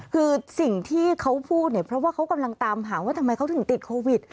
คือสิ่งที่เขาพูดเนี่ยเพราะว่าเขากำลังตามหาว่าทำไมเขาถึงติดโควิด